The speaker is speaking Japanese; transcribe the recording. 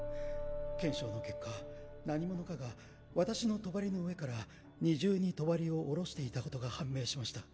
検証の結果何者かが私の帳の上から２重に帳を下ろしていたことが判明しました。